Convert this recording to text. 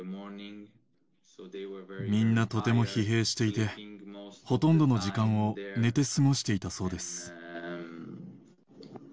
みんなとても疲弊していて、ほとんどの時間を寝て過ごしていたそうです。